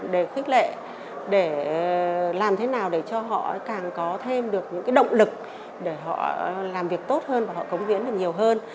để khích lệ để làm thế nào để cho họ càng có thêm được những động lực để họ làm việc tốt hơn và họ cống hiến được nhiều hơn